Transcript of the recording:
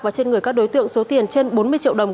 và trên người các đối tượng số tiền trên bốn mươi triệu đồng